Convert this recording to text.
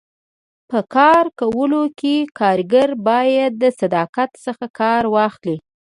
په کار کولو کي کاریګر باید د صداقت څخه کار واخلي.